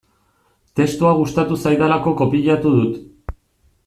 Testua gustatu zaidalako kopiatu dut.